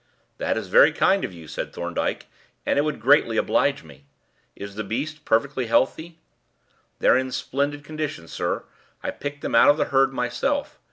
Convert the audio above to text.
"That is very kind of you," said Thorndyke, "and it would greatly oblige me. Is the beast perfectly healthy?" "They're in splendid condition, sir. I picked them out of the herd myself.